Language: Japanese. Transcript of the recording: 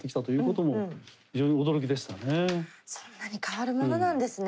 そんなに変わるものなんですね。